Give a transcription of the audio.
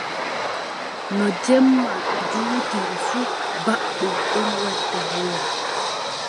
No jemma juutiri fuu, baɓɓol ɗon wadda hoore.